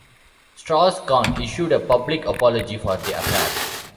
Strauss-Kahn issued a public apology for the affair.